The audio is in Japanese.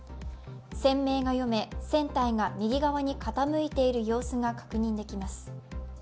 船名が読め船体が右側に傾いている様子が確認できます。